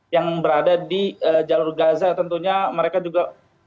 yang berada di jalur gaza tentunya mereka juga